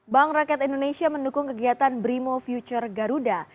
bank rakyat indonesia mendukung kegiatan brimo future garuda